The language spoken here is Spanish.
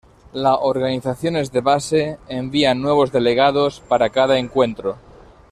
La organizaciones de base envían nuevos delegados para cada encuentro.